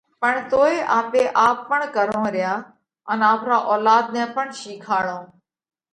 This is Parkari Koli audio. پڻ توئي آپي آپ پڻ ڪرونه ريا ان آپرا اولاڌ نئہ پڻ شِيکاڙونه